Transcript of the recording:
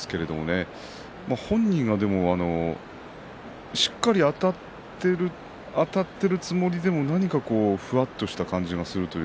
馬山本人がしっかりあたっているつもりでも何かふわりとした感じがする。